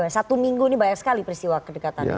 satu minggu ini banyak sekali peristiwa kedekatan